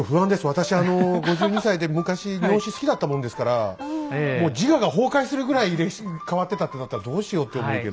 私あの５２歳で昔日本史好きだったもんですからもう自我が崩壊するぐらい歴史が変わってたってなったらどうしようって思うけど。